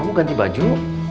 kamu ganti baju